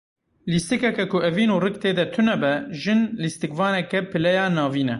Lîstikeke ku evîn û rik tê de tune be, jin lîstikvaneke pileya navîn e.